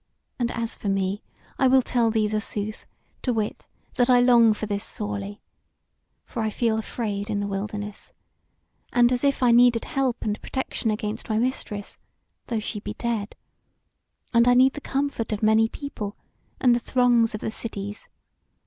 And as for me, I will tell thee the sooth, to wit, that I long for this sorely. For I feel afraid in the wilderness, and as if I needed help and protection against my Mistress, though she be dead; and I need the comfort of many people, and the throngs of the cities.